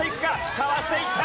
かわしていった！